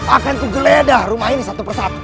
akan ku geledah rumah ini satu persatu